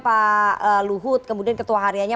pak luhut kemudian ketua harianya